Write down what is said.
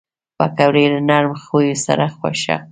پکورې له نرم خویو سره ښه خوري